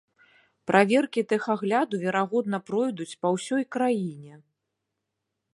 Праверкі тэхагляду верагодна пройдуць па ўсёй краіне.